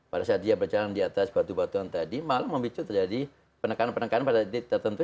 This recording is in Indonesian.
pada saat dia berjalan di atas batu batuan tadi malah memicu terjadi penekanan penekanan pada titik tertentu